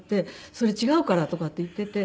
「それ違うから」とかって言っていて。